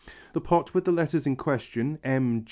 The pot with the letters in question, M.